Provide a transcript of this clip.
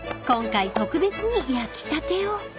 ［今回特別に焼きたてを］